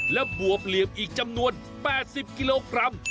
และบวบเหลี่ยมอีกจำนวน๘๐กิโลกรัม